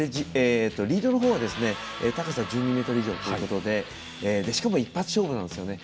リードの方は高さ１２ｍ以上ということでしかも一発勝負なんですよね。